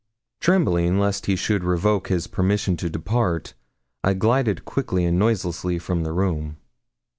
Trembling lest he should revoke his permission to depart, I glided quickly and noiselessly from the room.